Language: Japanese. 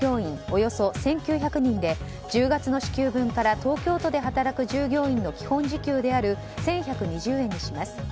およそ１９００人で１０月の支給分から東京都で働く従業員の基本自給である１１２０円にします。